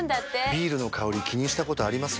ビールの香り気にしたことあります？